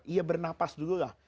ya bernapas dulu lah